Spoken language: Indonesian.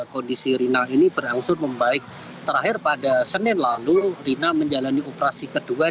kondisi rina ini berangsur membaik terakhir pada senin lalu rina menjalani operasi kedua